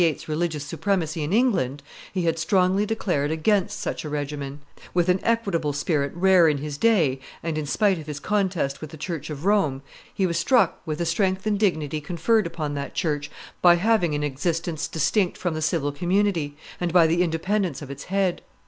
's religious supremacy in England, he had strongly declared against such a regimen; with an equitable spirit rare in his day, and in spite of his contest with the church of Rome, he was struck with the strength and dignity conferred upon that church by its having an existence distinct from the civil community, and by the independence of its head.